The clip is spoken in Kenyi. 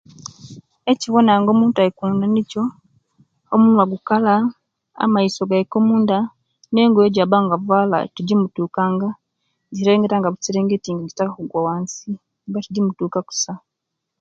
Ekyowona nga omuntu Ali kwoonda nikyo omunwa gukala, amaiso gaika omunda nengoye jabanga avala tijimutukanga jiserengetanga buserengenti nga jitaka gugwa wansi jiba tijimutuka kusa